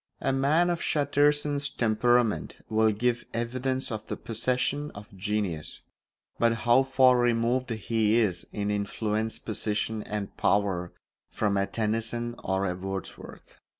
A man of Chatterton's temperament will give evidence of the possession of genius, but how far removed he is, in influence, position, and power, from a Tennyson or a Wordsworth!